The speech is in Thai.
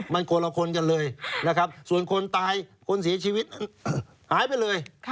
มันคนละคนกันเลยนะครับส่วนคนตายคนเสียชีวิตหายไปเลย